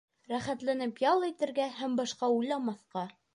Рәхәтләнеп ял итергә һәм башҡа уйламаҫҡа.